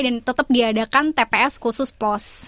dan tetap diadakan tps khususnya